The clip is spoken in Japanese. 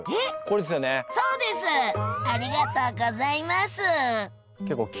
ありがとうございます！